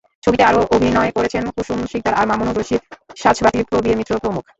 ছবিতে আরও অভিনয় করেছেন কুসুম সিকদার, মামুনুর রশীদ, সাঁঝবাতি, প্রবীর মিত্র প্রমুখ।